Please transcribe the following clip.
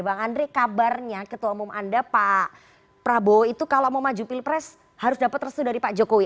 bang andre kabarnya ketua umum anda pak prabowo itu kalau mau maju pilpres harus dapat restu dari pak jokowi